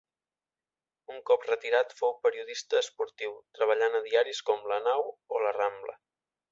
Un cop retirat fou periodista esportiu, treballant a diaris com La Nau o La Rambla.